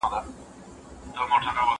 او پر لار د طویلې یې برابر کړ